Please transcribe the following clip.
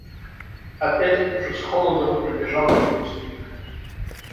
Опять ужас холодом пробежал по его спине.